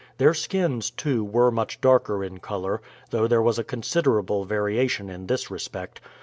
Their skins, too, were much darker in color, though there was considerable variation in this respect.